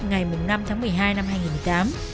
ngày năm tháng một mươi hai năm hai nghìn một mươi tám